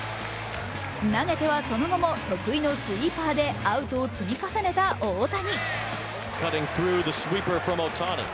投げてはその後も得意のスイーパーでアウトを積み重ねた大谷。